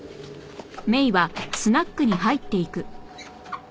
あっ！